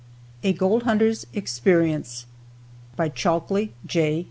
A GOLD HUNTER'S EXPERIENCE BY CHALKLEY J.